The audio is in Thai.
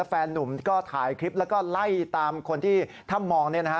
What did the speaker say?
แฟนนุ่มก็ถ่ายคลิปแล้วก็ไล่ตามคนที่ทำมอง